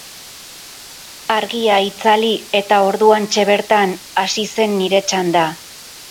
Argia itzali eta orduantxe bertan hasi zen nire txanda.